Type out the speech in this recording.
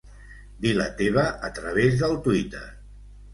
Dir la teva a través del Twitter.